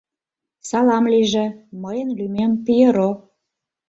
— Салам лийже, мыйын лӱмем Пьеро...